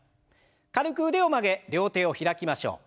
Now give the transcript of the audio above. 軽く腕を曲げ両手を開きましょう。